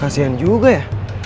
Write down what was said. kasihan juga ya